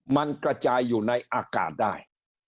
มันกระจายอยู่ในอากาศได้